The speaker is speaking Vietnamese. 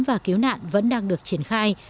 và cứu nạn vẫn đang được triển khai